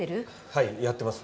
はいやってます。